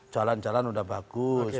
jalan jalan sudah bagus